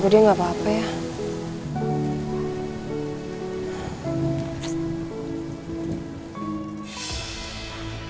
udah dua jam